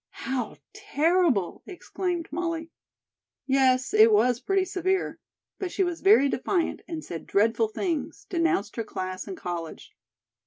"How terrible!" exclaimed Molly. "Yes; it was pretty severe. But she was very defiant, and said dreadful things, denounced her class and college.